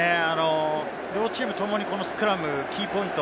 両チームともにこのスクラム、キーポイント。